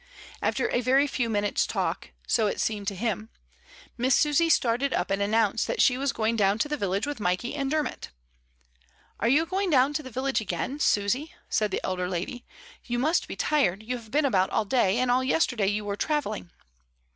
After a very few minutes' talk — so it seemed to him — Miss Susy started up and announced that she was going down to the village with Mikey and Dermot. "Are you going down to the village again, Susy?" said the elder lady. "You must be tired, you have been about all day, and all yesterday you were travelling."